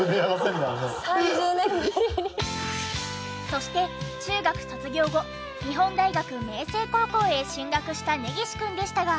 そして中学卒業後日本大学明誠高校へ進学した根岸くんでしたが。